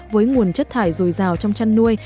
với nguồn chất thải dồi dào trong chăn nuôi